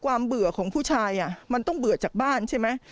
เบื่อของผู้ชายมันต้องเบื่อจากบ้านใช่ไหม